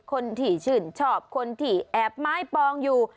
คนที่ชื่นชอบคนที่แอบไม้ปองอยู่